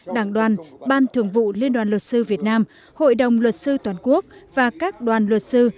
đảng đoàn ban thường vụ liên đoàn luật sư việt nam hội đồng luật sư toàn quốc và các đoàn luật sư